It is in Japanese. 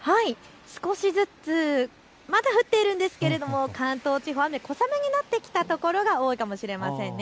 少しずつ、まだ降っているんですけれども関東地方、雨、小雨になってきたところが多いかもしれませんね。